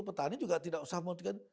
petani juga tidak usah mengutipkan